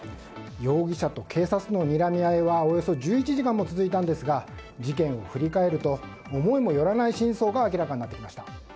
容疑者と警察のにらみ合いは１１時間も続いたんですが事件を振り返ると思いもよらない真相が明らかになってきました。